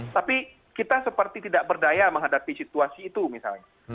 tapi kita seperti tidak berdaya menghadapi situasi itu misalnya